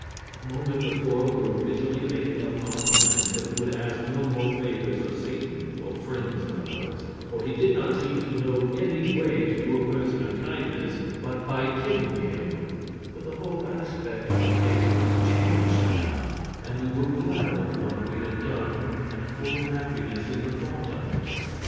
A moment before we were bitterly making up our minds that we would ask no more favors of Satan for friends of ours, for he did not seem to know any way to do a person a kindness but by killing him; but the whole aspect of the case was changed now, and we were glad of what we had done and full of happiness in the thought of it.